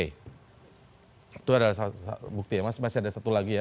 itu adalah bukti ya mas masih ada satu lagi ya